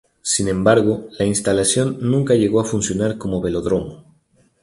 Sin embargo, la instalación nunca llegó a funcionar como velódromo.